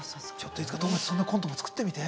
いつかともちそんなコントも作ってみて。